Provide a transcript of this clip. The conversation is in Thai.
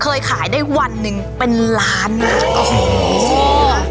เคยขายได้วันหนึ่งเป็นล้านนะโอ้โห